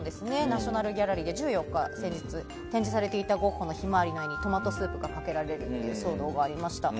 ナショナルギャラリーで１４日、先日展示されていたゴッホの「ひまわり」の絵にトマトスープがかけられるという騒動が起きました。